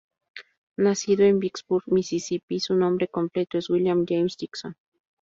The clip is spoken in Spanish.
Nacido en Vicksburg, Misisipi, su nombre completo es William James Dixon.